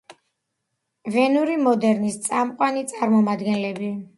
ვენური „მოდერნის“ წამყვანი წარმომადგენელი.